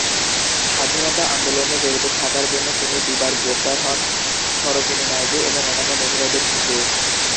স্বাধীনতা আন্দোলনে জড়িত থাকার জন্য তিনি দু বার গ্রেফতার হন সরোজিনী নাইডু এবং অন্যান্য মহিলাদের সঙ্গে।